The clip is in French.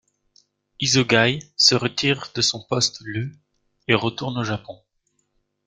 Isogai se retire de son poste le et retourne au Japon.